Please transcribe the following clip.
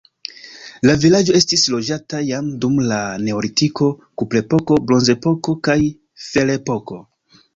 La vilaĝo estis loĝata jam dum la neolitiko, kuprepoko, bronzepoko kaj ferepoko.